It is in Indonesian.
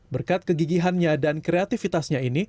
berkat kegigihannya dan kreativitasnya